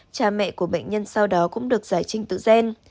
cha mẹ của bệnh nhân sau đó cũng được giải trình tự gen